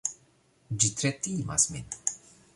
Ĝi tre timas min!